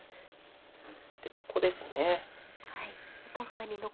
でここですね。